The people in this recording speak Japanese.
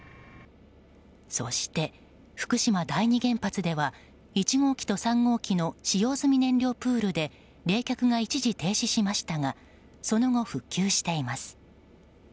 そして、福島第二原発では１号機と３号機の使用済み燃料プールで冷却が一時停止しましたがその後、復旧しています。